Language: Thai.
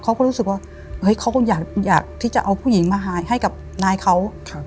เขาก็รู้สึกว่าเฮ้ยเขาก็อยากที่จะเอาผู้หญิงมาหายให้กับนายเขา